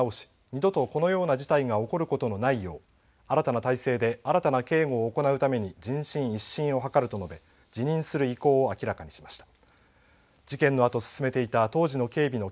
二度とこのような事態が起こることのないよう新たな体制で新たな警護を行うために人心一新を図ると述べ辞任する意向を明らかにしました。